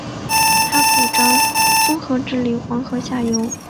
他主张综合治理黄河下游。